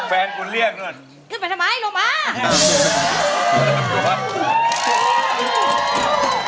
แฟนคุณเรียกนึง